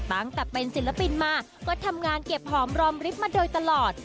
ตั้งแต่เป็นศิลปินมาก็ทำงานเก็บหอมรอมริฟต์มาโดยตลอด